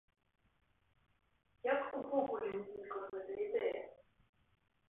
Як увогуле ўзнікла гэта ідэя?